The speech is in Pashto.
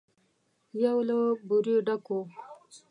يو له بورې ډک و.